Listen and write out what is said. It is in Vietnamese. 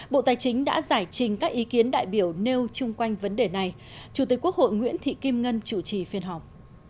bộ tài chính đã giải trình các ý kiến đại biểu nêu chung quanh vấn đề này chủ tịch quốc hội nguyễn thị kim ngân chủ trì phiên họp